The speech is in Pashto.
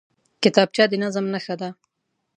کتابچه د نظم نښه ده